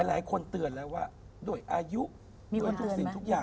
หลายคนเตือนแล้วว่าด้วยอายุด้วยทุกสิ่งทุกอย่าง